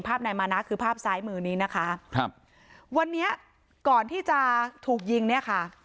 นายมานะคือภาพซ้ายมือนี้นะคะครับวันนี้ก่อนที่จะถูกยิงเนี่ยค่ะ